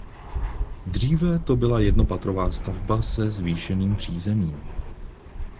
Dříve to byla jednopatrová stavba se zvýšeným přízemím.